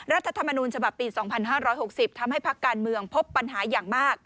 รัฐธรรมนูญฉบับปี๒๕๖๐ทำให้พักการเมืองพบปัญหาอย่างมาก